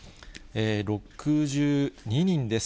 ６２人です。